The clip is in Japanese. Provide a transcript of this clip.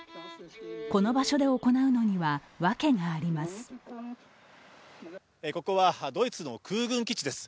この場所で行うのには訳があります。